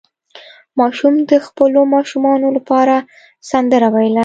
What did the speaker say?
ماشوم د خپلو ماشومانو لپاره سندره ویله.